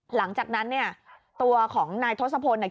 หลังจากนั้นเนี่ยตัวของนายทศพลขี่มอเตอร์ไซค์มา